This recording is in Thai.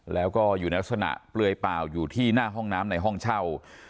แล้วก็อยู่ในลักษณะเปลือยเปล่าอยู่ที่หน้าห้องน้ำในห้องเช่า